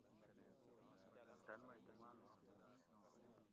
تن مئ دُو مانُوش مُورش